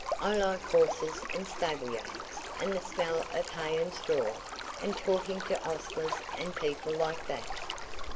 I like horses and stable yards, and the smell of hay and straw, and talking to ostlers and people like that.